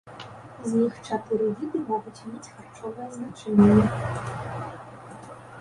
З іх чатыры віды могуць мець харчовае значэнне.